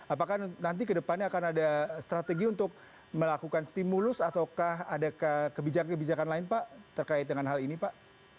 apakah nanti ke depannya akan ada strategi untuk melakukan stimulus ataukah ada kebijakan kebijakan lain pak terkait dengan hal ini pak